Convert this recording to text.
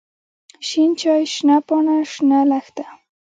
شين چای، شنه پاڼه، شنه لښته.